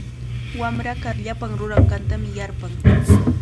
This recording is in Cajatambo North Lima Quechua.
Wamra kar llapan ruranqantami yarpan.